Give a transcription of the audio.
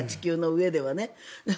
地球の上では。